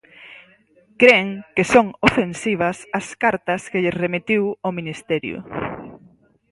Cren que son ofensivas as cartas que lles remitiu o Ministerio.